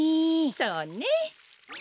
そうね。